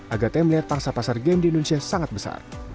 agate melihat pangsa pasar game di indonesia sangat besar